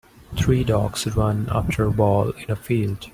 Three dogs run after a ball in a field.